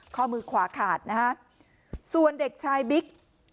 ข้อมือขวาขาดนะฮะส่วนเด็กชายบิ๊ก